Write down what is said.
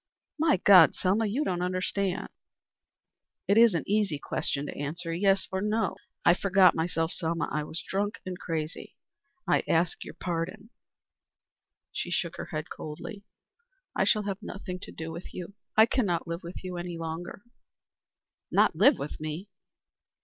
"My God! Selma, you don't understand." "It is an easy question to answer, yes or no?" "I forgot myself, Selma. I was drunk and crazy. I ask your pardon." She shook her head coldly. "I shall have nothing more to do with you. I cannot live with you any longer." "Not live with me?"